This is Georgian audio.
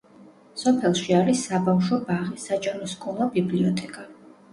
სოფელში არის საბავშვო ბაღი, საჯარო სკოლა, ბიბლიოთეკა.